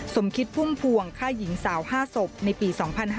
สมคิดพุ่มพวงฆ่าหญิงสาว๕ศพในปี๒๕๕๙